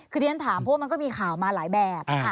คือนี่ถามพวกมันก็มีข่าวมาหลายแบบ